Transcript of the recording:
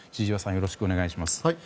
よろしくお願いします。